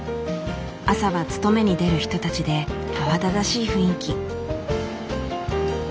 朝は勤めに出る人たちで慌ただしい雰囲気。